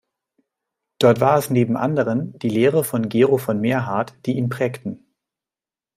Dort war es neben anderen die Lehre des Gero von Merhart, die ihn prägten.